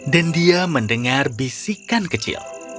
dan dia mendengar bisikan kecil